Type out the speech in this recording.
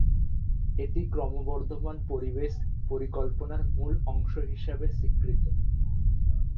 এটি ক্রমবর্ধমান পরিবেশ পরিকল্পনার মূল অংশ হিসাবে স্বীকৃত।